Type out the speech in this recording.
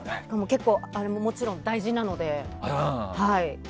結構、もちろん大事なので。